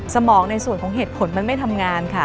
สมองในส่วนของเหตุผลมันไม่ทำงานค่ะ